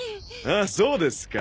あっそうですか。